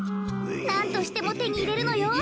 なんとしてもてにいれるのよ。